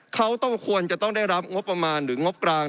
เขาต้องควรจะต้องได้รับงบประมาณหรืองบกลาง